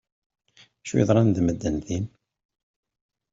Acu yeḍran d medden din?